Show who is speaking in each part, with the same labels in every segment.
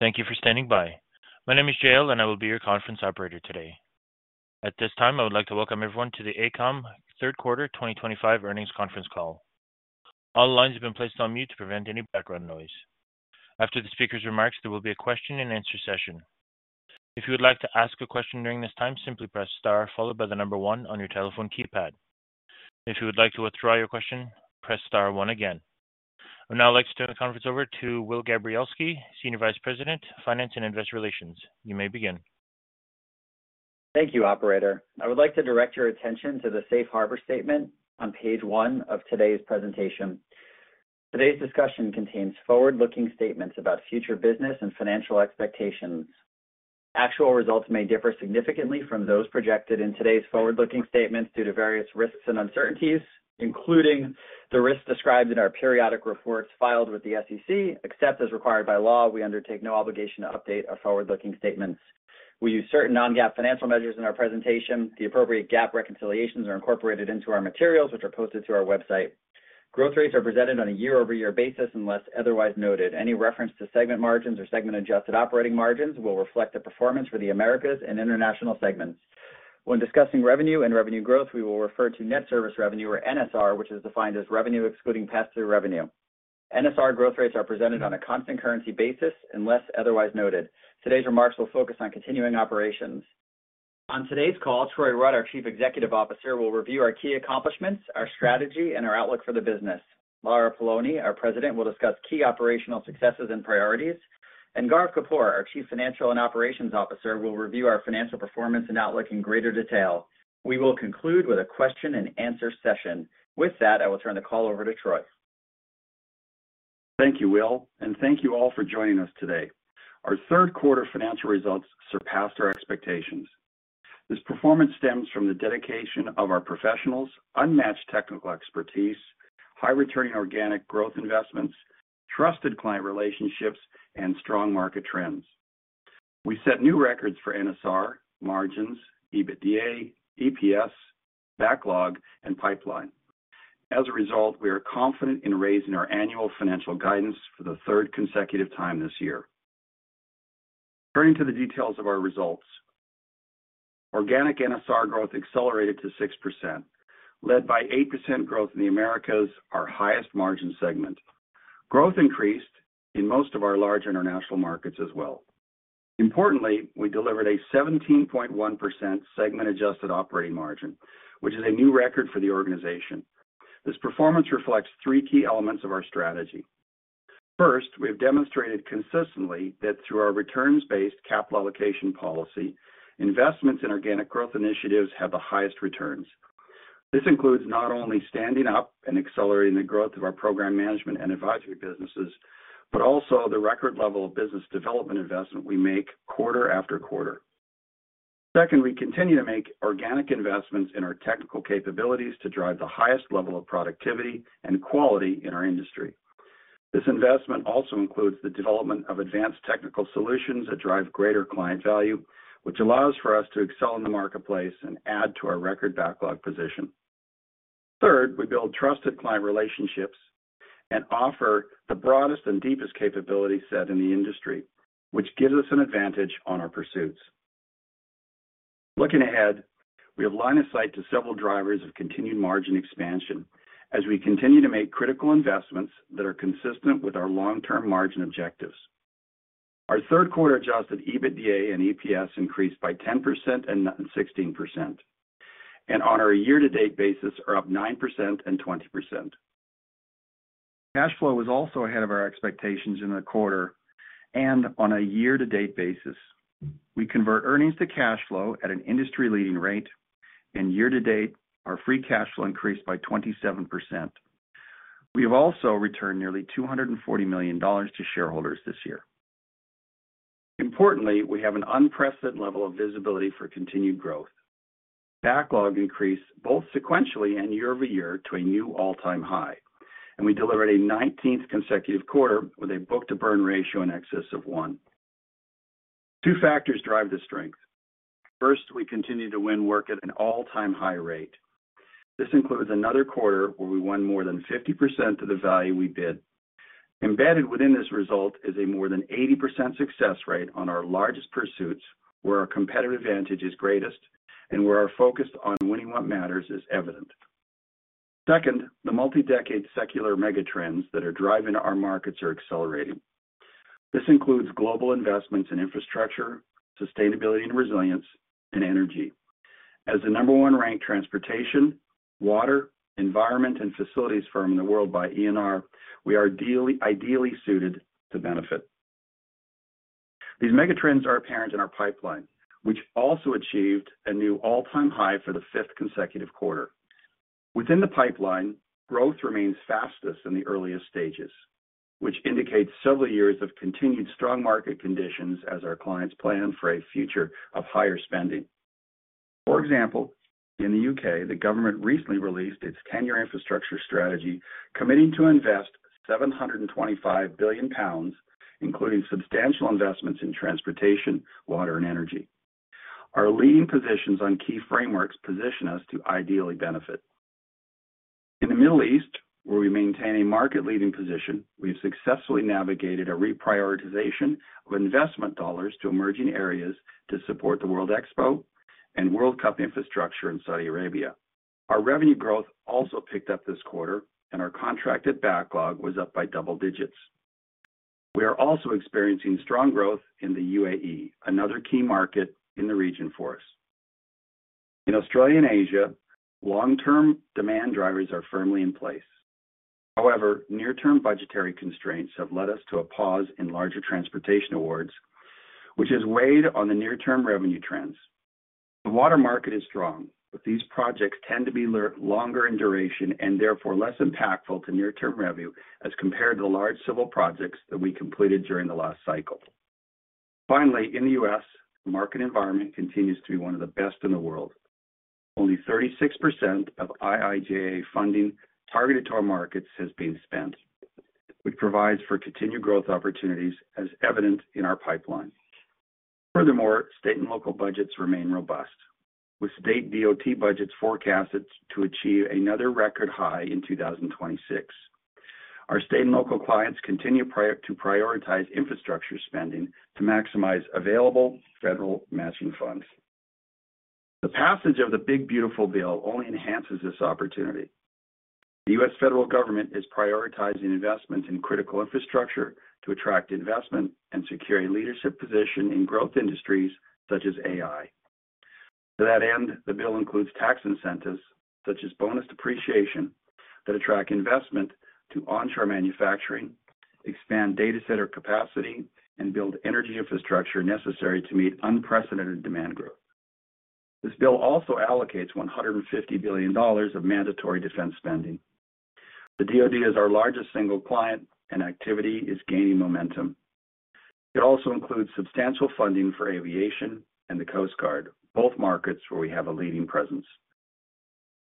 Speaker 1: Thank you for standing by. My name is Shale, and I will be your conference operator today. At this time I would like to welcome everyone to the AECOM third quarter 2025 earnings conference call. All lines have been placed on mute to prevent any background noise. After the speaker's remarks, there will be a question-and-answer session. If you would like to ask a question during this time, simply press star followed by the number one on your telephone keypad. If you would like to withdraw your question, press star one again. Now I'd like to turn the conference over to Will Gabrielski, Senior Vice President, Finance and Investor Relations. You may begin.
Speaker 2: Thank you, Operator. I would like to direct your attention to the Safe Harbor statement on page one of today's presentation. Today's discussion contains forward-looking statements about future business and financial expectations. Actual results may differ significantly from those projected in today's forward-looking statements due to various risks and uncertainties, including the risks described in our periodic reports filed with the SEC. Except as required by law, we undertake no obligation to update our forward-looking statements. We use certain non-GAAP financial measures in our presentation. The appropriate GAAP reconciliations are incorporated into our materials, which are posted to our website. Growth rates are presented on a year-over-year basis unless otherwise noted. Any reference to segment margins or segment adjusted operating margins will reflect the performance for the Americas and international segments. When discussing revenue and revenue growth, we will refer to Net Service Revenue or NSR, which is defined as revenue excluding pass-through revenue. NSR growth rates are presented on a constant currency basis unless otherwise noted. Today's remarks will focus on continuing operations. On today's call, Troy Rudd, our Chief Executive Officer, will review our key accomplishments, our strategy, and our outlook for the business. Lara Poloni, our President, will discuss key operational successes and priorities, and Gaurav Kapoor, our Chief Financial and Operations Officer, will review our financial performance and outlook in greater detail. We will conclude with a question-and-answer session. With that, I will turn the call over to Troy.
Speaker 3: Thank you, Will, and thank you all for joining us today. Our third quarter financial results surpassed our expectations. This performance stems from the dedication of our professionals, unmatched technical expertise, high-returning organic growth investments, trusted client relationships, and strong market trends. We set new records for NSR margins, EBITDA, EPS, backlog, and pipeline. As a result, we are confident in raising our annual financial guidance for the third consecutive time this year. Turning to the details of our results. Organic NSR growth accelerated to 6%, led by 8% growth in the Americas, our highest margin segment. Growth increased in most of our large international markets as well. Importantly, we delivered a 17.1% segment adjusted operating margin, which is a new record for the organization. This performance reflects three key elements of our strategy. First, we have demonstrated consistently that through our returns-based capital allocation policy, investments in organic growth initiatives have the highest returns. This includes not only standing up and accelerating the growth of our program management and advisory businesses, but also the record level of business development investment we make quarter-after-quarter. Second, we continue to make organic investments in our technical capabilities to drive the highest level of productivity and quality in our industry. This investment also includes the development of advanced technical solutions that drive greater client value, which allows for us to excel in the marketplace and add to our record backlog position. Third, we build trusted client relationships and offer the broadest and deepest capability set in the industry, which gives us an advantage on our pursuits. Looking ahead, we have line of sight to several drivers of continued margin expansion as we continue to make critical investments that are consistent with our long-term margin objectives. Our third quarter adjusted EBITDA and EPS increased by 10% and 16%, and on our year-to-date basis are up 9% and 20%. Cash flow was also ahead of our expectations in the quarter, and on a year-to-date basis we convert earnings to cash flow at an industry-leading rate, and year-to-date our free cash flow increased by 27%. We have also returned nearly $240 million to shareholders this year. Importantly, we have an unprecedented level of visibility for continued growth. Backlog increased both sequentially and year-over-year to a new all-time high, and we delivered a 19th consecutive quarter with a Book-to-Burn Ratio in excess of one. Two factors drive the strength. First, we continue to win work at an all-time high rate. This included another quarter where we won more than 50% of the value we bid. Embedded within this result is a more than 80% success rate on our largest pursuits, where our competitive advantage is greatest and where our focus on winning what matters is evident. Second, the multi-decade secular mega trends that are driving our markets are accelerating. This includes global investments in infrastructure, sustainability and resilience, and energy. As the number one ranked transportation, water, environment, and facilities firm in the world by ENR, we are ideally suited to benefit. These megatrends are apparent in our pipeline, which also achieved a new all-time high for the fifth consecutive quarter. Within the pipeline, growth remains fastest in the earliest stages, which indicates several years of continued strong market conditions as our clients plan for a future of higher spending. For example, in the U.K., the government recently released its 10-year infrastructure strategy committing to invest £725 billion, including substantial investments in transportation, water, and energy. Our leading positions on key frameworks position us to ideally benefit. In the Middle East, where we maintain a market-leading position, we have successfully navigated a reprioritization of investment dollars to emerging areas to support the World Expo and World Cup infrastructure in Saudi Arabia. Our revenue growth also picked up this quarter, and our contracted backlog was up by double digits. We are also experiencing strong growth in the UAE, another key market in the region for us. In Australia and Asia, long-term demand drivers are firmly in place. However, near-term budgetary constraints have led us to a pause in larger transportation awards, which has weighed on the near-term revenue trends. The water market is strong, but these projects tend to be longer in duration and therefore less impactful to near-term revenue as compared to large civil projects that we completed during the last cycle. Finally, in the U.S., market environment continues to be one of the best in the world. Only 36% of IIJA funding targeted to our markets has been spent, which provides for continued growth opportunities as evident in our pipeline. Furthermore, state and local budgets remain robust, with state DOT budgets forecasted to achieve another record high in 2026. Our state and local clients continue to prioritize infrastructure spending to maximize available federal matching funds. The passage of the Big Beautiful Bill only enhances this opportunity. The U.S. Federal government is prioritizing investments in critical infrastructure to attract investment and secure a leadership position in growth industries such as AI. To that end, the bill includes tax incentives such as bonus depreciation that attract investment to onshore manufacturing, expand data center capacity, and build energy infrastructure necessary to meet unprecedented demand growth. This bill also allocates $150 billion of mandatory defense spending. The DoD is our largest single client and activity is gaining momentum. It also includes substantial funding for aviation and the Coast Guard, both markets where we have a leading presence.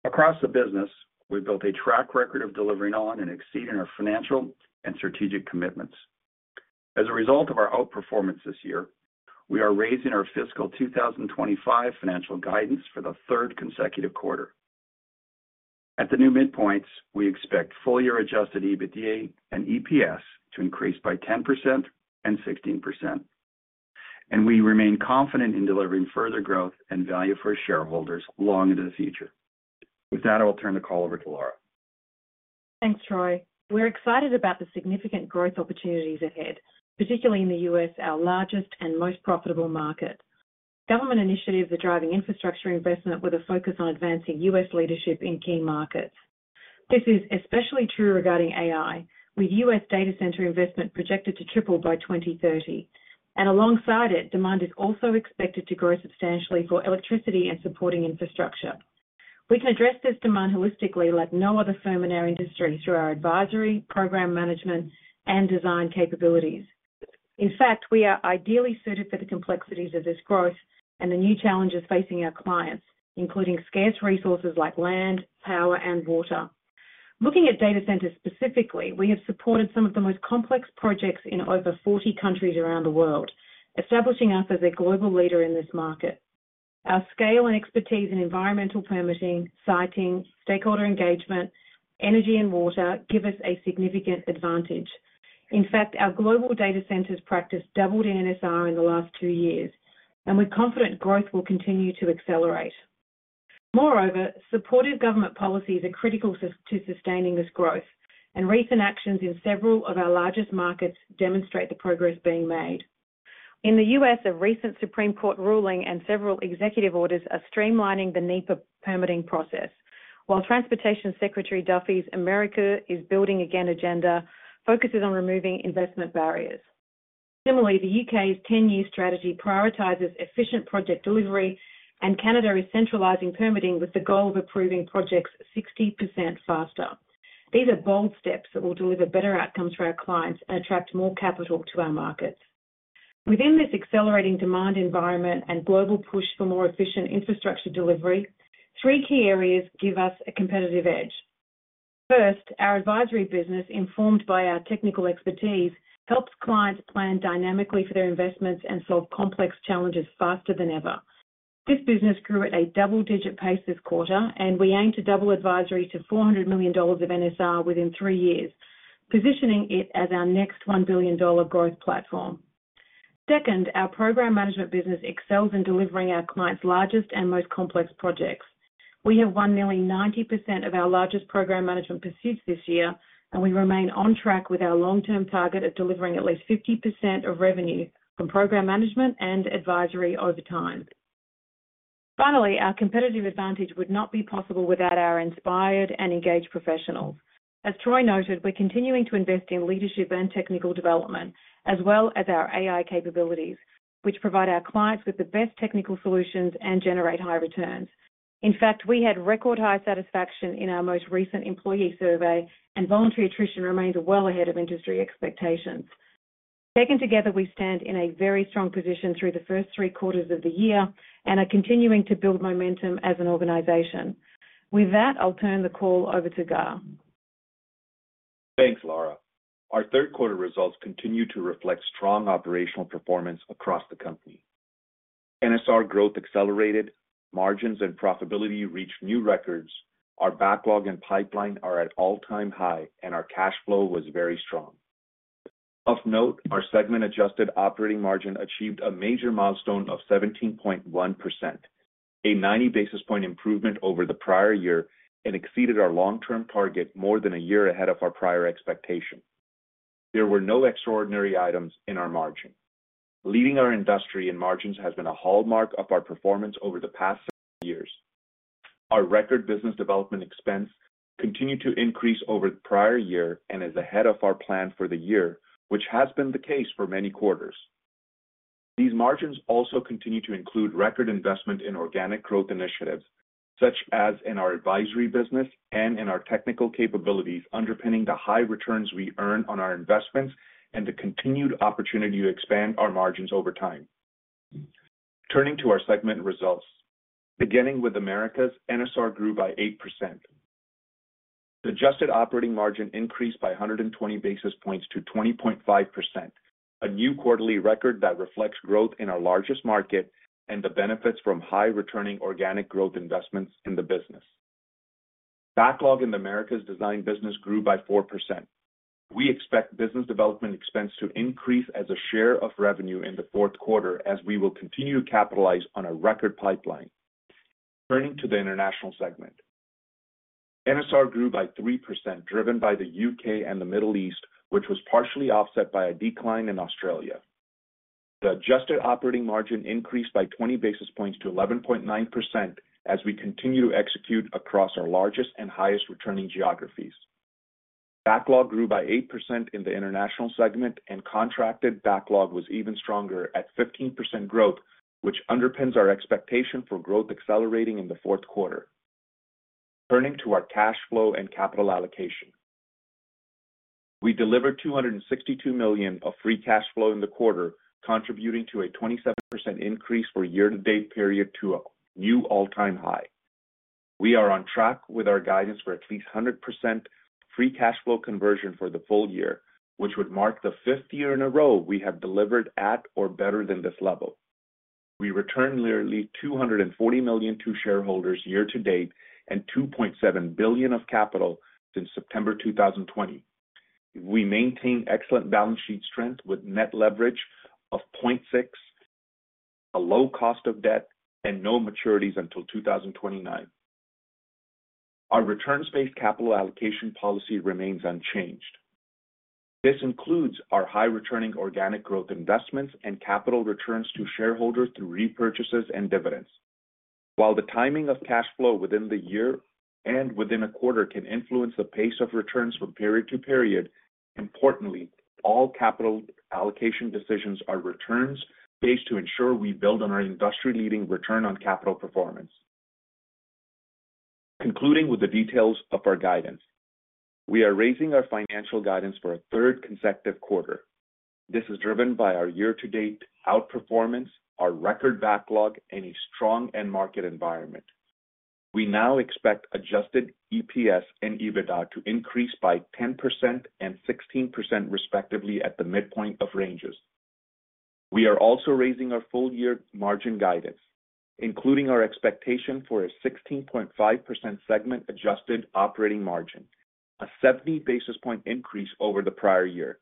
Speaker 3: Across the business, we built a track record of delivering on and exceeding our financial and strategic commitments. As a result of our outperformance this year, we are raising our fiscal 2025 financial guidance for the third consecutive quarter. At the new midpoints, we expect full year adjusted EBITDA and EPS to increase by 10% and 16% and we remain confident in delivering further growth and value for shareholders long into the future. With that, I will turn the call over to Lara.
Speaker 4: Thanks, Troy. We're excited about the significant growth opportunities ahead, particularly in the U.S., our largest and most profitable market. Government initiatives are driving infrastructure investment with a focus on advancing U.S. leadership in key markets. This is especially true regarding AI, with U.S. data center investment projected to triple by 2030, and alongside it, demand is also expected to grow substantially for electricity and supporting infrastructure. We can address this demand holistically like no other firm in our industry through our advisory, program management, and design capabilities. In fact, we are ideally suited for the complexities of this growth and the new challenges facing our clients, including scarce resources like land, power, and water. Looking at data centers specifically, we have supported some of the most complex projects in over 40 countries around the world, establishing us as a global leader in this market. Our scale and expertise in environmental permitting, siting, stakeholder engagement, energy, and water give us a significant advantage. In fact, our global data centers practice doubled NSR in the last two years, and we're confident growth will continue to accelerate. Moreover, supportive government policies are critical to sustaining this growth, and recent actions in several of our largest markets demonstrate the progress being made. In the U.S., a recent Supreme Court ruling and several executive orders are streamlining the NEPA permitting process, while Transportation Secretary Duffy's America is Building Again agenda focuses on removing investment barriers. Similarly, the UK's ten-year strategy prioritizes efficient project delivery, and Canada is centralizing permitting with the goal of approving projects 60% faster. These are bold steps that will deliver better outcomes for our clients and attract more capital to our market. Within this accelerating demand environment and global push for more efficient infrastructure delivery, three key areas give us a competitive edge. First, our advisory business, informed by our technical expertise, helps clients plan dynamically for their investments and solve complex challenges faster than ever. This business grew at a double-digit pace this quarter, and we aim to double advisory to $400 million of NSR within three years, positioning it as our next $1 billion growth platform. Second, our program management business excels in delivering our clients' largest and most complex projects. We have won nearly 90% of our largest program management pursuits this year, and we remain on track with our long-term target of delivering at least 50% of revenue from program management and advisory over time. Finally, our competitive advantage would not be possible without our inspired and engaged professionals. As Troy noted, we're continuing to invest in leadership and technical development as well as our AI capabilities, which provide our clients with the best technical solutions and generate high returns. In fact, we had record high satisfaction in our most recent employee survey, and voluntary attrition remains well ahead of industry expectations. Taken together, we stand in a very strong position through the first three quarters of the year and are continuing to build momentum as an organization. With that, I'll turn the call over to Gaurav.
Speaker 5: Thanks, Lara. Our third quarter results continue to reflect strong operational performance across the company. NSR growth, accelerated margins, and profitability reached new records. Our backlog and pipeline are at all-time high and our cash flow was very strong. Of note, our segment adjusted operating margin achieved a major milestone of 17.9%, a 90 basis point improvement over the prior year and exceeded our long-term target more than a year ahead of our prior expectations. There were no extraordinary items in our margin. Leading our industry in margins has been a hallmark of our performance over the past years. Our record business development expense continued to increase over the prior year and is ahead of our plan for the year, which has been the case for many quarters. These margins also continue to include record investment in organic growth initiatives such as in our advisory business and in our technical capabilities, underpinning the high returns we earn on our investments and the continued opportunity to expand our margins over time. Turning to our segment results, beginning with Americas, NSR grew by 8%. The adjusted operating margin increased by 120 basis points to 20.5%, a new quarterly record that reflects growth in our largest market and the benefits from high returning organic growth investments in the business. Backlog in the Americas design business grew by 4%. We expect business development expense to increase as a share of revenue in the fourth quarter as we will continue to capitalize on a record pipeline. Turning to the international segment. NSR grew by 3% driven by the U.K. and the Middle East, which was partially offset by a decline in Australia. The adjusted operating margin increased by 20 basis points to 11.9% as we continue to execute across our largest and highest returning geographies. Backlog grew by 8% in the international segment and contracted backlog was even stronger at 15% growth, which underpins our expectation for growth accelerating in the fourth quarter. Turning to our cash flow and capital allocation. We delivered $262 million of free cash flow in the quarter, contributing to a 27% increase for the year-to-date period to a new all-time high. We are on track with our guidance for at least 100% free cash flow conversion for the full year, which would mark the fifth year in a row we have delivered at or better than this level. We returned nearly $240 million to shareholders year to date and $2.7 billion of capital since September 2020. We maintain excellent balance sheet strength with net leverage of 0.6, a low cost of debt, and no maturities until 2029. Our returns-based capital allocation policy remains unchanged. This includes our high-returning organic growth investments and capital returns to shareholders through repurchases and dividends. While the timing of cash flow within the year and within a quarter can influence the pace of returns from period to period, importantly, all capital allocation decisions are returns-based to ensure we build on our industry-leading return on capital performance. Concluding with the details of our guidance, we are raising our financial guidance for a third consecutive quarter. This is driven by our year-to-date outperformance, our record backlog, and a strong end market environment. We now expect adjusted EPS and EBITDA to increase by 10% and 16%, respectively, at the midpoint of ranges. We are also raising our full-year margin guidance, including our expectation for a 16.5% segment adjusted operating margin, a 70 basis point increase over the prior year.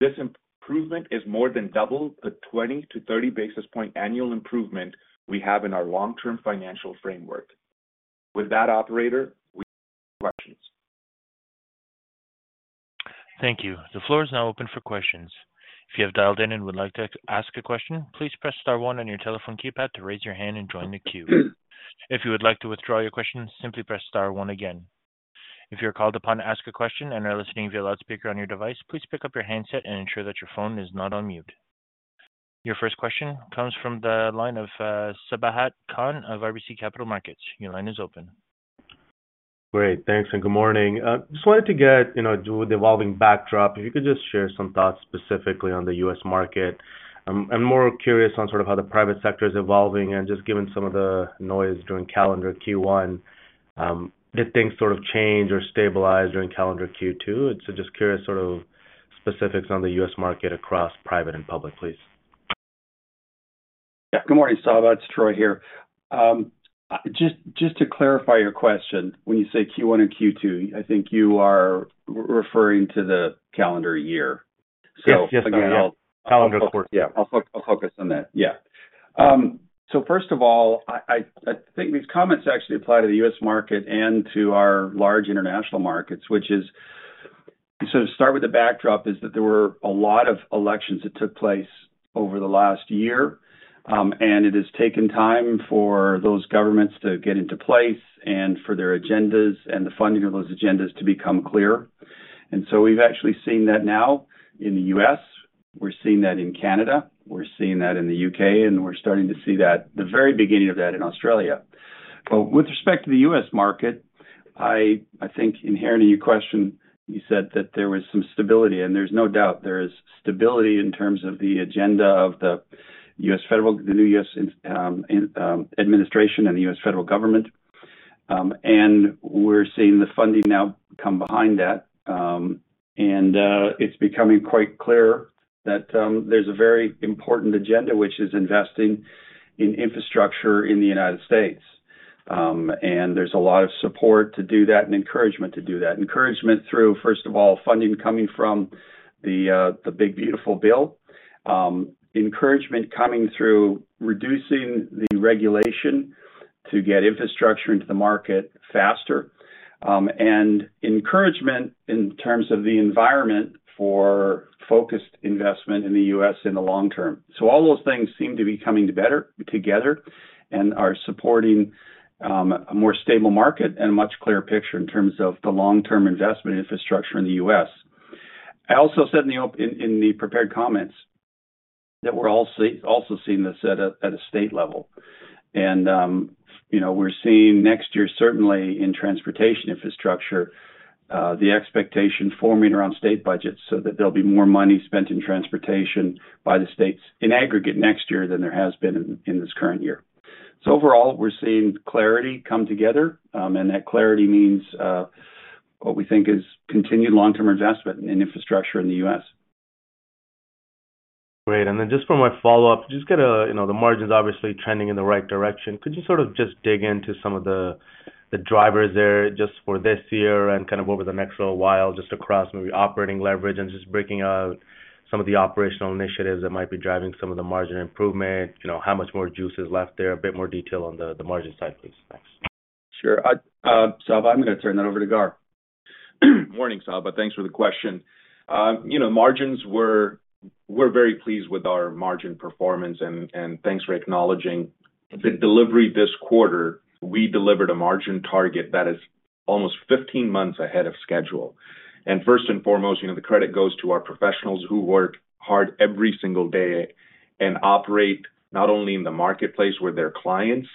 Speaker 5: This improvement is more than double the 20 to 30 basis point annual improvement we have in our long-term financial framework. With that, operator, we can begin the questions.
Speaker 1: Thank you. The floor is now open for questions. If you have dialed in and would like to ask a question, please press star one on your telephone keypad to raise your hand and join the queue. If you would like to withdraw your question, simply press star one again. If you're called upon to ask a question and are listening via a loudspeaker on your device, please pick up your handset and ensure that your phone is not on mute. Your first question comes from the line of Sabahat Khan of RBC Capital Markets. Your line is open.
Speaker 6: Great, thanks and good morning. Just wanted to get, you know, with evolving backdrop, if you could just share some thoughts specifically on the U.S. market. I'm more curious on sort of how the private sector is evolving and just given some of the noise during calendar Q1, did things sort of change or stabilize during calendar Q2? Just curious sort of specifics on the U.S. market across private and public please.
Speaker 3: Yeah, good morning Saba, it's Troy here. Just to clarify your question, when you say Q1 and Q2, I think you are referring to the calendar year. I'll focus on that. First of all, I think these comments actually apply to the U.S. market and to our large international markets, which is, so start with the backdrop is that there were a lot of elections that took place over the last year and it has taken time for those governments to get into place and for their agendas and the funding of those agendas to become clear. We've actually seen that now in the U.S., we're seeing that in Canada, we're seeing that in the U.K., and we're starting to see that at the very beginning of that in Australia. With respect to the U.S. market, I think inherent in your question, you said that there was some stability and there's no doubt there is stability in terms of the agenda of the new U.S. administration and the U.S. federal government. We're seeing the funding now come behind that and it's becoming quite clear that there's a very important agenda, which is investing in infrastructure in the United States. There's a lot of support to do that and encouragement to do that. Encouragement through, first of all, funding coming from the Big Beautiful Bill, encouragement coming through reducing the regulation to get infrastructure into the market faster, and encouragement in terms of the environment for focused investment in the U.S. in the long term. All those things seem to be coming together and are supporting a more stable market and a much clearer picture in terms of the long-term investment infrastructure in the U.S. I also said in the prepared comments that we're also seeing this at a state level and, you know, we're seeing next year certainly in transportation infrastructure, the expectation forming around state budgets so that there'll be more money spent in transportation by the states in aggregate next year than there has been in this current year. Overall, we're seeing clarity come together and that clarity means what we think is continued long-term investment in infrastructure in the U.S.
Speaker 6: Great. Just for my follow up, the margins obviously trending in the right direction. Could you sort of just dig into some of the drivers there just for this year and kind of over the next little while just across maybe operating leverage and just breaking out some of the operational initiatives that might be driving some of the margin improvement. How much more juice is left there? A bit more detail on the margin side please. Thanks.
Speaker 3: Sure, Sabahat. I'm going to turn that over to Gaurav.
Speaker 5: Morning Saba, thanks for the question. We're very pleased with our margin performance, and thanks for acknowledging the delivery in this quarter. We delivered a margin target that is almost 15 months ahead of schedule. First and foremost, the credit goes to our professionals who work hard every single day and operate not only in the marketplace with their clients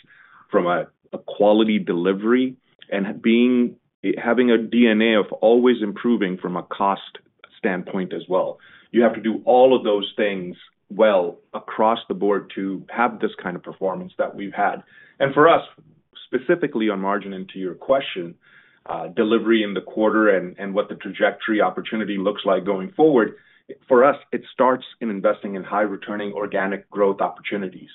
Speaker 5: from a quality delivery and having a DNA of always improving from a cost standpoint as well. You have to do all of those things well across the board to have this kind of performance that we've had. For us specifically on margin, to your question, delivery in the quarter and what the trajectory opportunity looks like going forward, for us, it starts in investing in high returning organic growth opportunities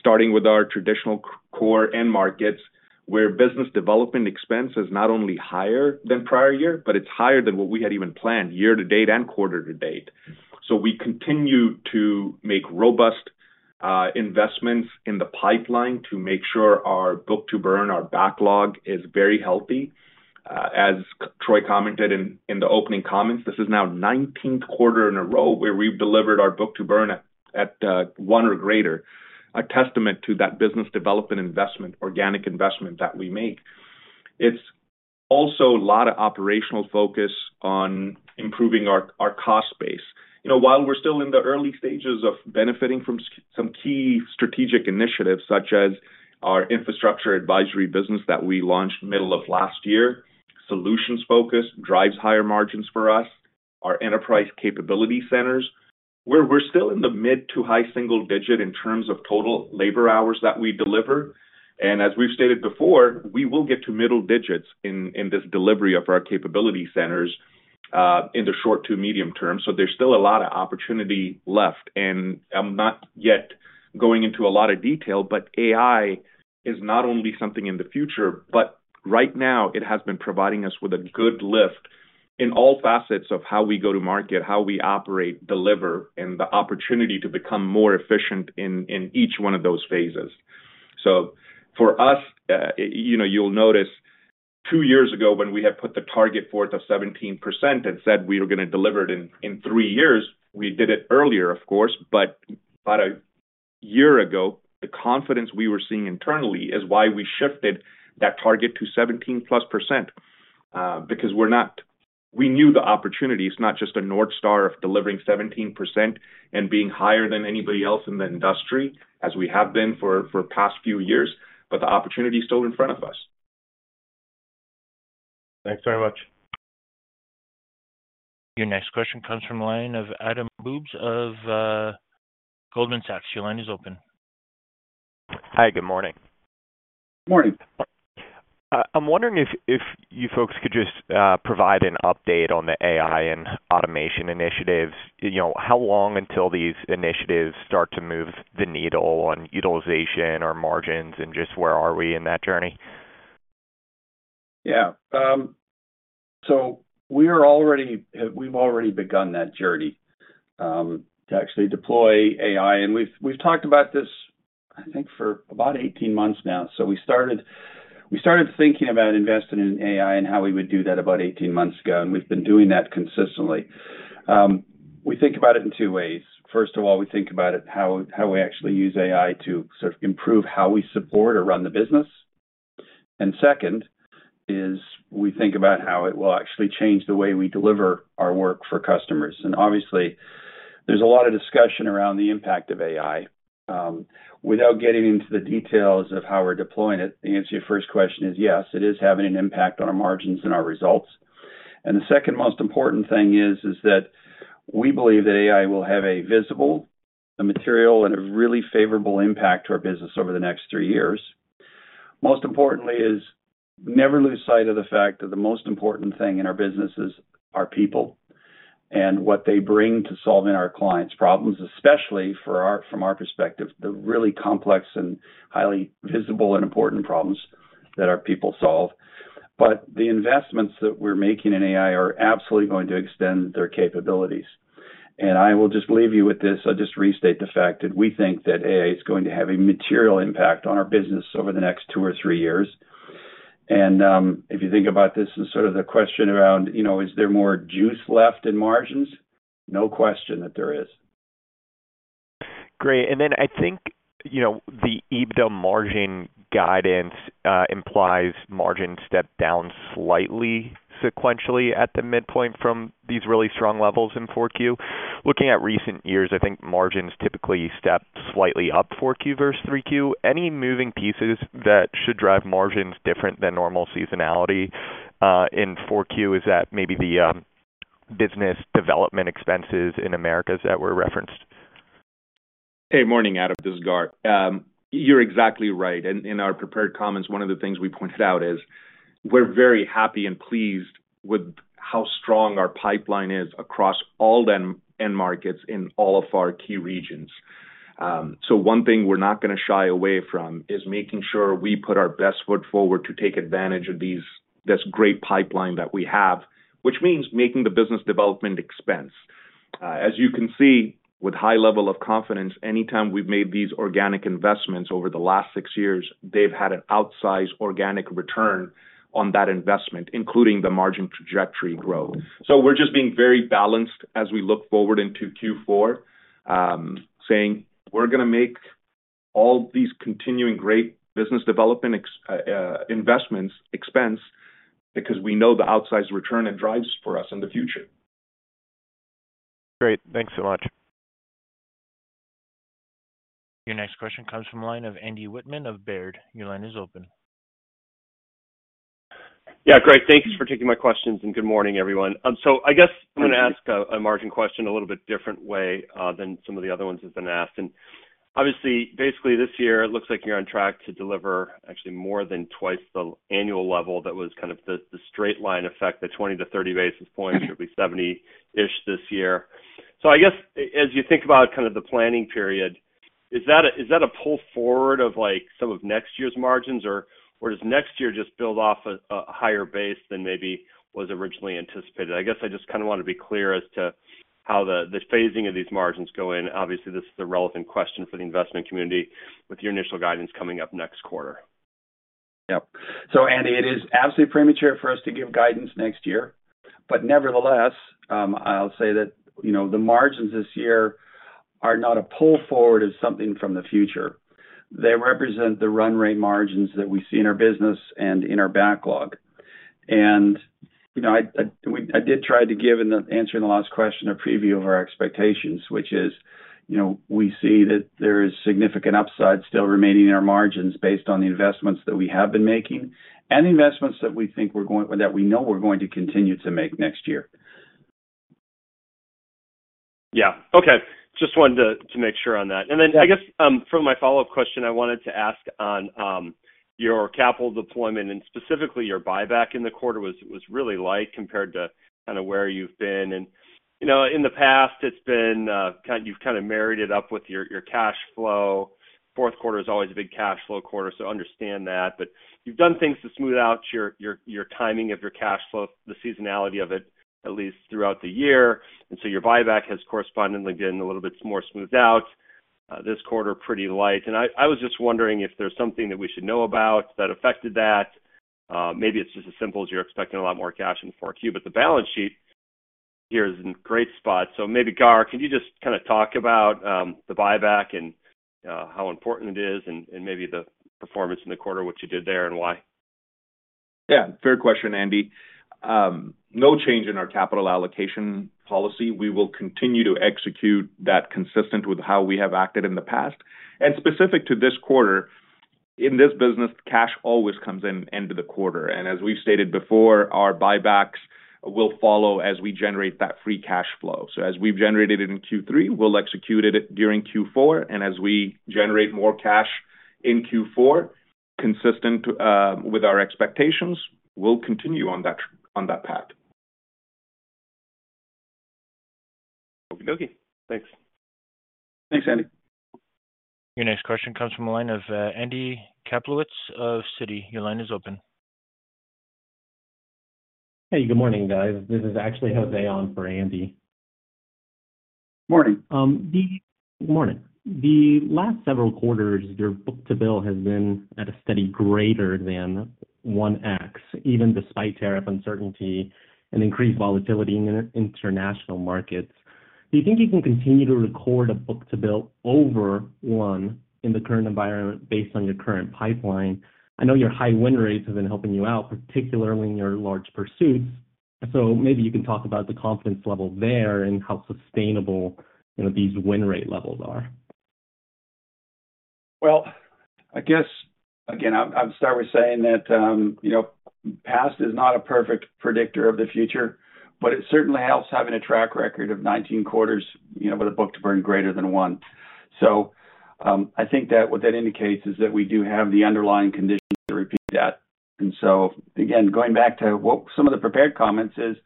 Speaker 5: starting with our traditional core end markets where business development expense is not only higher than prior year, but it's higher than what we had even planned year-to-date and quarter-to-date. We continue to make robust investments in the pipeline to make sure our Book-to-Burn, our backlog is very healthy. As Troy commented in the opening comments, this is now the 19th quarter in a row where we've delivered our Book-to-Burn at one or greater, a testament to that business development investment, organic investment that we make. It's also a lot of operational focus on improving our cost base. While we're still in the early stages of benefiting from some key strategic initiatives such as our infrastructure advisory business that we launched middle of last year, solutions focus drives higher margins for us, our Enterprise Capability Centers where we're still in the mid to high single digit in terms of total labor hours that we deliver. As we've stated before, we will get to middle digits in this delivery of our capability centers in the short to medium term. There's still a lot of opportunity left and I'm not yet going into a lot of detail, but AI is not only something in the future, but right now it has been providing us with a good lift in all facets of how we go to market, how we operate, deliver, and the opportunity to become more efficient in each one of those phases. For us, you'll notice two years ago when we had put the target forth of 17% and said we were going to deliver it in three years. We did it earlier of course, but about a year ago the confidence we were seeing internally is why we shifted that target to 17+%. We're not, we knew the opportunity, it's not just a North Star of delivering 17% and being higher than anybody else in the industry as we have been for past few years, but the opportunity still in front of us.
Speaker 6: Thanks very much.
Speaker 1: Your next question comes from the line of Adam Bubes of Goldman Sachs. Your line is open.
Speaker 7: Hi, good morning.
Speaker 3: Morning.
Speaker 7: I'm wondering if you folks could just provide an update on the AI and automation initiatives. How long until these initiatives start to move the needle on utilization or margins and ust where are we in that journey?
Speaker 3: Yeah, we've already begun that journey to actually deploy AI and we've talked about this I think for about 18 months now. We started thinking about investing in AI and how we would do that about 18 months ago and we've been doing that consistently. We think about it in two ways. First of all, we think about it how we actually use AI to improve how we support or run the business. Second, we think about how it will actually change the way we deliver our work for customers. Obviously, there's a lot of discussion around the impact of AI without getting into the details of how we're deploying it. The answer to your first question is yes, it is having an impact on our margins and our results. The second most important thing is that we believe that AI will have a visible, a material, and a really favorable impact to our business over the next three years. Most importantly, never lose sight of the fact that the most important thing in our business is our people and what they bring to solving our clients' problems, especially from our perspective, the really complex and highly visible and important problems that our people solve. The investments that we're making in AI are absolutely going to extend their capabilities. I will just leave you with this. I'll just restate the fact that we think that AI is going to have a material impact on our business over the next two or three years. If you think about this as sort of the question around is there more juice left in margins, no question that there is.
Speaker 7: Great. I think the EBITDA margin guidance implies margin stepped down slightly sequentially at the midpoint from these really strong levels in 4Q. Looking at recent years, I think margins typically step slightly up 4Q versus 3Q. Any moving pieces that should drive margins different than normal seasonality in 4Q? Is that maybe the business development expenses in Americas that were referenced?
Speaker 5: Hey, morning Gaurav, you're exactly right. In our prepared comments, one of the things we pointed out is we're very happy and pleased with how strong our pipeline is across all end markets in all of our key regions. One thing we're not going to shy away from is making sure we put our best foot forward to take advantage of this great pipeline that we have, which means making the business development expense. As you can see with high level of confidence, anytime we've made these organic investments over the last six years, they've had an outsized organic return on that investment, including the margin trajectory growth. We're just being very balanced as we look forward into Q4, saying we're going to make all these continuing great business development investments expense because we know the outsized return it drives for us in the future.
Speaker 7: Great, thanks so much.
Speaker 1: Your next question comes from the line of Andy Wittmann of Baird. Your line is open.
Speaker 8: Yeah, great. Thanks for taking my questions and good morning everyone. I guess I'm going to ask a margin question a little bit different way than some of the other ones have been asked. Obviously, basically this year it looks like you're on track to deliver actually more than twice the annual level. That was kind of the straight line effect. The 20 to 30 basis points should be 70-ish this year. I guess as you think about kind of the planning period, is that a pull forward of like, some of next year's margins or where does next year just build off a higher base than maybe was originally anticipated? I guess I just kind of want to be clear as to how the phasing of these margins go in. Obviously, this is a relevant question for the investment community with your initial guidance coming up next quarter.
Speaker 3: Andy, it is absolutely premature for us to give guidance next year, but nevertheless, I'll say that the margins this year are not a pull forward of something from the future. They represent the run rate margins that we see in our business and in our backlog. I did try to give in the answer in the last question a preview of our expectations, which is, we see that there is significant upside still remaining in our margins based on the investments that we have been making and investments that we know we're going to continue to make next year.
Speaker 8: Yeah. Okay, just wanted to make sure on that. I guess from my follow up question I wanted to ask on your capital deployment and specifically your buyback in the quarter was really light compared to kind of where you've been. In the past it's been, you've kind of married it up with your cash flow. Fourth quarter is always a big cash flow quarter. I understand that. You've done things to smooth out your timing of your cash flow, the seasonality of it, at least throughout the year. Your buyback has correspondingly getting a little bit more smoothed out this quarter. Pretty light. I was just wondering if there's something that we should know about that affected that. Maybe it's just as simple as you're expecting a lot more cash in 4Q, but the balance sheet here is in great spot. Maybe Gaurav, can you just kind of talk about the buyback and how important it is and maybe the performance in the quarter, what you did there and why.
Speaker 5: Yeah, fair question, Andy. No change in our capital allocation policy. We will continue to execute that consistent with how we have acted in the past and specific to this quarter. In this business, cash always comes in end of the quarter. As we've stated before, our buybacks will follow as we generate that free cash flow. As we've generated it in Q3, we'll execute it during Q4, and as we generate more cash in Q4 consistent with our expectations, will continue on that path.
Speaker 8: Okie dokie. Thanks.
Speaker 3: Thanks, Andy.
Speaker 1: Your next question comes from the line of Andy Kaplowitz of Citigroup. Your line is open.
Speaker 9: Hey, good morning guys. This is actually Jose on for Andy.
Speaker 3: Morning.
Speaker 9: Morning. The last several quarters your Book-to-Burn Ratio has been at a steady greater than 1x even despite tariff uncertainty and increased volatility in international markets. Do you think you can continue to record a Book-to-Burn Ratio over one in the current environment based on your current pipeline? I know your high win rates have been helping you out, particularly in your large pursuits. Maybe you can talk about the confidence level there and how sustainable these win rate levels are.
Speaker 3: I guess, again, I'd start with saying that, you know, past is not a perfect predictor of the future, but it certainly helps having a track record of 19 quarters, you know, with a book to burn greater than one. I think that what that indicates is that we do have the underlying conditions to repeat that. Again, going back to what some of the prepared comments is,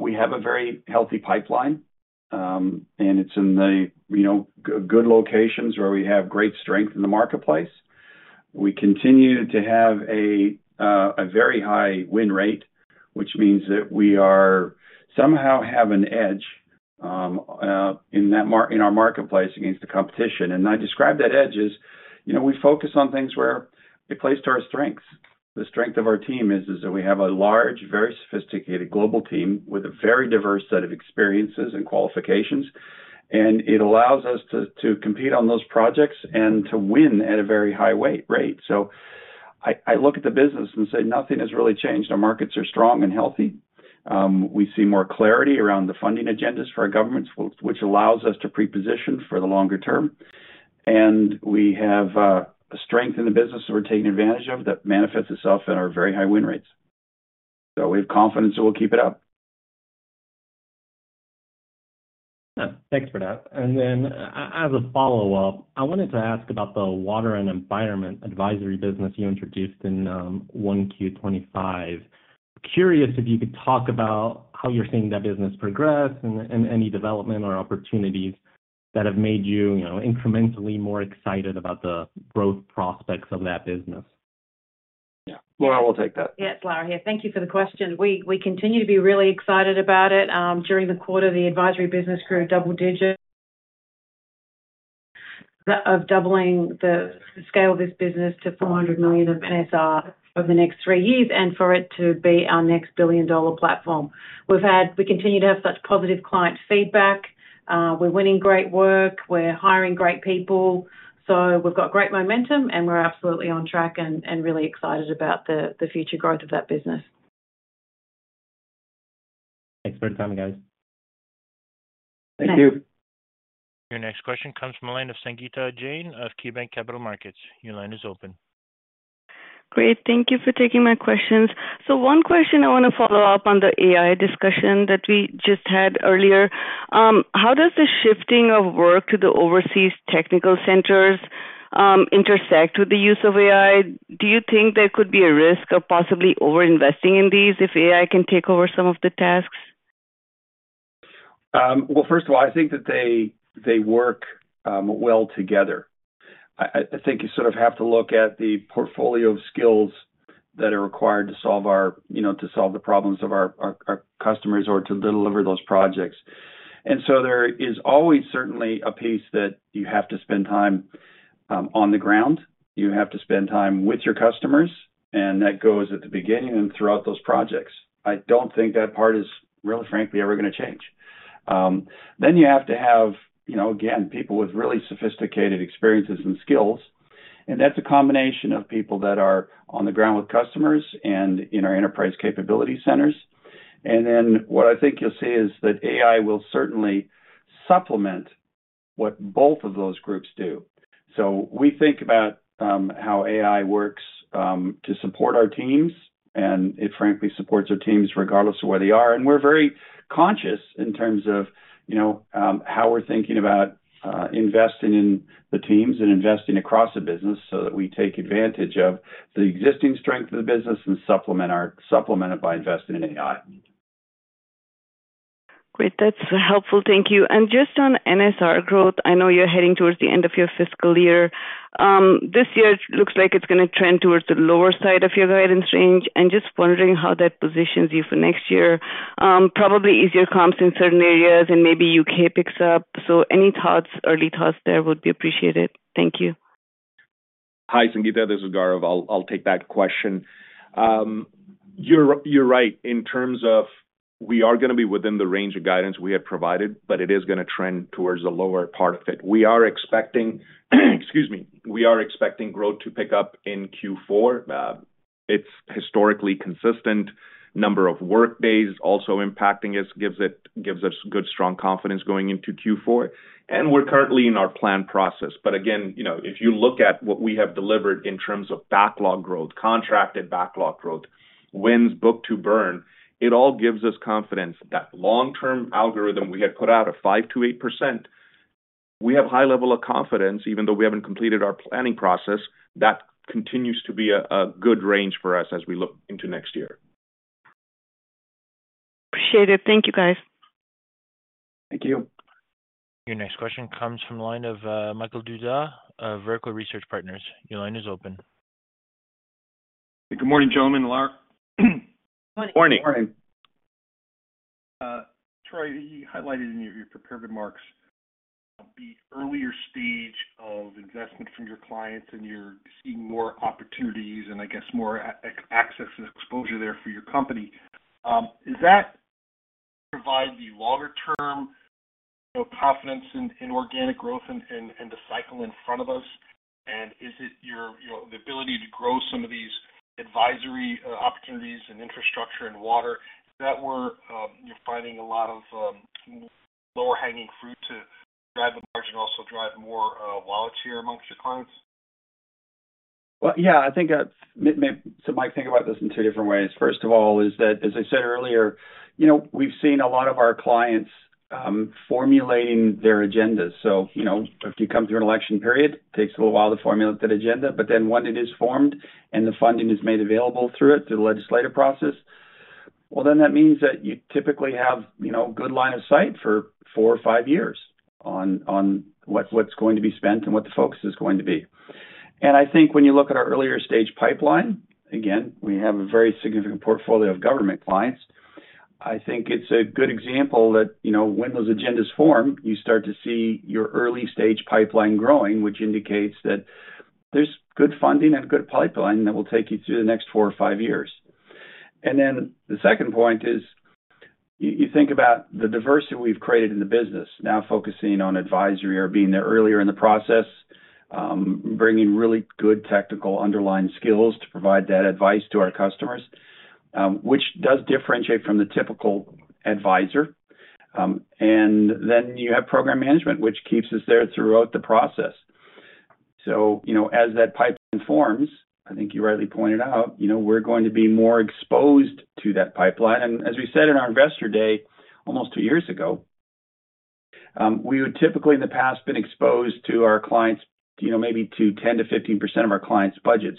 Speaker 3: we have a very healthy pipeline and it's in the good locations where we have great strength in the marketplace. We continue to have a very high win rate, which means that we are somehow have an edge in our marketplace against the competition. I describe that edge as we focus on things where it plays to our strengths. The strength of our team is that we have a large, very sophisticated global team with a very diverse set of experiences and qualifications. It allows us to compete on those projects and to win at a very high rate. I look at the business and say nothing has really changed. Our markets are strong and healthy. We see more clarity around the funding agendas for our governments, which allows us to preposition for the longer term. We have strength in the business that we're taking advantage of that manifests itself in our very high win rates. We have confidence that we'll keep it up.
Speaker 9: Thanks for that. As a follow up, I wanted to ask about the water and environment advisory business you introduced in 1Q25. Curious if you could talk about how you're seeing that business progress and any development or opportunities that have made you incrementally more excited about the growth prospects of that business.
Speaker 3: Yeah, Lara will take that.
Speaker 4: Thank you for the question. We continue to be really excited about it. During the quarter, the advisory business grew double digit, doubling the scale of this business to $400 million of NSR over the next three years for it to be our next billion dollar platform. We continue to have such positive client feedback. We're winning great work, we're hiring great people. We've got great momentum and we're absolutely on track and really excited about the future growth of that business.
Speaker 9: Excellent comment, guys. Thank you.
Speaker 1: Your next question comes from Sangita Jain of KeyBanc Capital Markets. Your line is open.
Speaker 10: Great. Thank you for taking my questions. One question, I want to follow up on the AI discussion that we just had earlier. How does the shifting of work to the overseas technical centers intersect with the use of AI? Do you think there could be a risk of possibly over investing in these if AI can take over some of the tasks?
Speaker 3: I think they work well together. I think you sort of have to look at the portfolio of skills that are required to solve our, you know, to solve the problems of our customers or to deliver those projects. There is always certainly a piece that you have to spend time on the ground, you have to spend time with your customers and that goes at the beginning and throughout those projects. I don't think that part is really frankly ever going to change. You have to have, you know, again, people with really sophisticated experiences and skills and that's a combination of people that are on the ground with customers and in our Enterprise Capability Centers. What I think you'll see is that AI will certainly supplement what both of those groups do. We think about how AI works to support our teams and it frankly supports our teams regardless of where they are. We're very conscious in terms of how we're thinking about investing in the teams and investing across the business so that we take advantage of the existing strength of the business and supplement it by investing in AI.
Speaker 10: Great, that's helpful. Thank you. Just on NSR growth, I know you're heading towards the end of your fiscal year. This year looks like it's going to trend towards the lower side of your guidance range. I'm just wondering how that positions you for next year. Probably easier comps in certain areas and maybe U.K. picks up. Any thoughts? Early thoughts there would be appreciated. Thank you.
Speaker 5: Hi Sangita, this is Gaurav. I'll take that question. You're right in terms of we are going to be within the range of guidance we had provided, but it is going to trend towards the lower part of it. We are expecting growth to pick up in Q4. It's historically consistent, number of work days also impacting us, gives us good strong confidence going into Q4, and we're currently in our planned process. If you look at what we have delivered in terms of backlog growth, contracted backlog growth, wins, Book-to-Burn, it all gives us confidence. That long term algorithm we had put out of 5%-8%. We have high level of confidence even though we haven't completed our planning process. That continues to be a good range for us as we look into next year.
Speaker 10: Appreciate it. Thank you, guys.
Speaker 3: Thank you.
Speaker 1: Your next question comes from the line of Michael Dudas, Vertical Research Partners. Your line is open.
Speaker 11: Good morning, gentlemen.
Speaker 3: Good morning.
Speaker 11: Troy, you highlighted in your prepared remarks the earlier stage of investment from your clients and you're seeing more opportunities, and I guess more access and exposure there for your company. Does that provide the longer term confidence in organic growth and the cycle front of us, and is it the ability to grow some of these advisory opportunities in infrastructure and water are where you're finding a lot of lower hanging fruit to drive the margin, also drive more wallet share amongst your clients?
Speaker 3: I think about this in two different ways. First of all, as I said earlier, we've seen a lot of our clients formulating their agendas. If you come through an election period, it takes a little while to formulate that agenda. When it is formed and the funding is made available through the legislative process, that means you typically have good line of sight for four or five years on what's going to be spent and what the focus is going to be. When you look at our earlier stage pipeline, we have a very significant portfolio of government clients. It's a good example that when those agendas form, you start to see your early stage pipeline growing, which indicates that there's good funding and good pipeline that will take you through the next four or five years. The second point is you think about the diversity we've created in the business now, focusing on advisory or being there earlier in the process, bringing really good technical underlying skills to provide that advice to our customers, which does differentiate from the typical advisor. Then you have program management, which keeps us there throughout the process. As that pipe forms, I think you rightly pointed out, we're going to be more exposed to that pipeline. As we said in our investor day almost two years ago, we would typically in the past have been exposed to our clients, maybe to 10%-15% of our clients' budgets.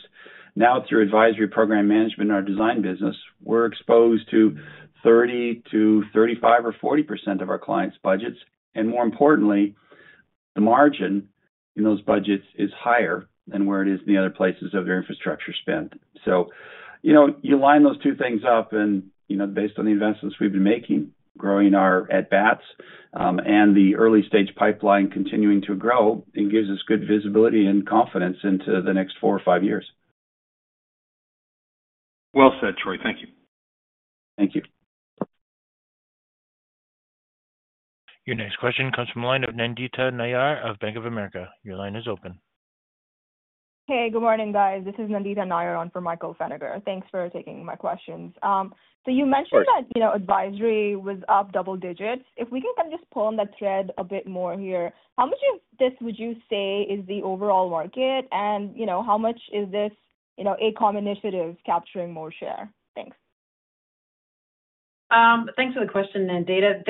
Speaker 3: Now through advisory, program management, and our design business, we're exposed to 30%-35% or 40% of our clients' budgets, and more importantly, the margin in those budgets is higher than where it is in the other places of their infrastructure spend. You line those two things up, and based on the investments we've been making, growing our at bats and the early stage pipeline continuing to grow, it gives us good visibility and confidence into the next four or five years.
Speaker 11: Well said, Troy. Thank you. Thank you.
Speaker 1: Your next question comes from the line of Nandita Nayar of Bank of America. Your line is open.
Speaker 12: Hey, good morning guys. This is Nandita Nayar on for Michael Feniger. Thanks for taking my questions. You mentioned that advisory was up double digits. If we can just pull on that thread a bit more here, how much of this would you say is the overall market and how much is this, you know, AECOM initiatives capturing more share? Thanks.
Speaker 4: Thanks for the question, Nandita.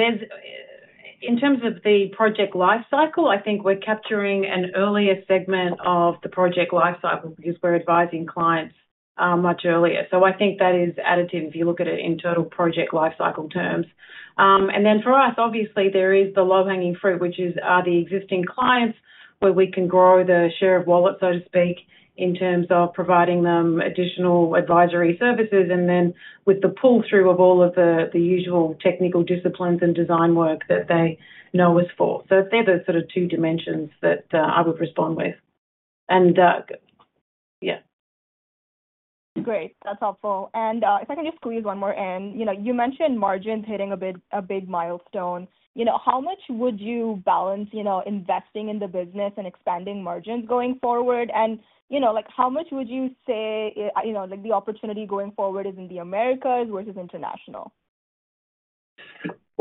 Speaker 4: In terms of the project life cycle, I think we're capturing an earlier segment of the project life cycle because we're advising clients much earlier. I think that is additive if you look at it in total project life cycle terms. For us, obviously there is the low-hanging fruit, which is the existing clients where we can grow the share of wallet, so to speak, in terms of providing them additional advisory services, with the pull through of all of the usual technical disciplines and design work that they know us for. They're the sort of two dimensions that I would respond with, and yeah.
Speaker 12: Great, that's helpful. If I can just squeeze one more in, you mentioned margins hitting a big milestone. How much would you balance investing in the business and expanding margins going forward, and how much would you say the opportunity going forward is in the Americas versus international?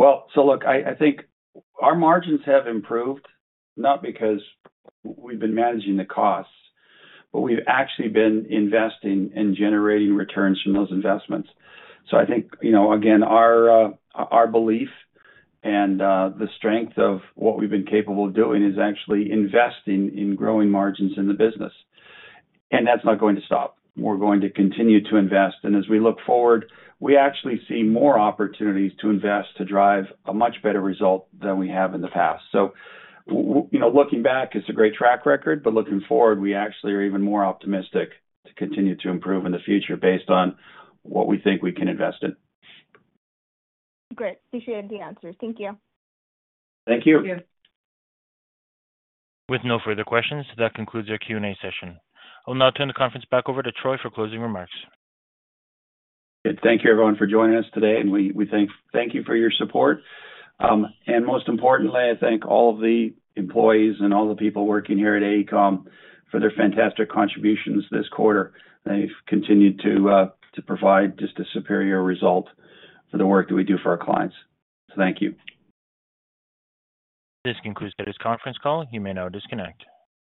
Speaker 3: I think our margins have improved not because we've been managing the costs, but we've actually been investing and generating returns from those investments. I think our belief and the strength of what we've been capable of doing is actually investing in growing margins in the business. That's not going to stop. We're going to continue to invest, and as we look forward, we actually see more opportunities to invest to drive a much better result than we have in the past. Looking back, it's a great track record. Looking forward, we actually are even more optimistic to continue to improve in the future based on what we think we can invest in.
Speaker 12: Great. Appreciate the answers. Thank you.
Speaker 3: Thank you.
Speaker 1: With no further questions, that concludes our Q&A session. I'll now turn the conference back over to Troy for closing remarks.
Speaker 3: Thank you, everyone, for joining us today, and we thank you for your support. Most importantly, I thank all the employees and all the people working here at AECOM for their fantastic contributions this quarter. They've continued to provide just a superior result for the work that we do for our clients. Thank you.
Speaker 1: This concludes today's conference call. You may now disconnect.